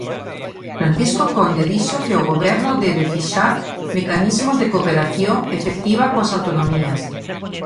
Francisco Conde dixo que o Goberno debe fixar mecanismos de cooperación efectiva coas autonomías.